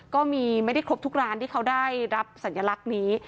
ก็มีไม่ได้ครบทุกร้านที่เขาได้รับสัญลักษณ์นี้